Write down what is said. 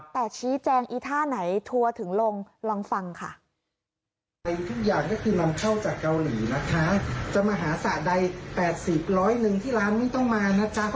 แต่ชี้แจงอีท่าไหนทัวร์ถึงลงลองฟังค่ะ